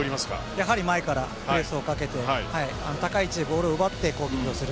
やはり前からプレスをかけて高い位置でボールを奪って攻撃をする。